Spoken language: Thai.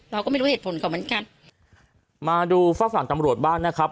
เราก็ไม่รู้เหตุผลเขาเหมือนกันมาดูฝากฝั่งตำรวจบ้างนะครับ